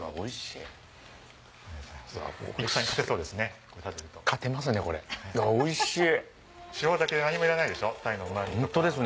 いやおいしい。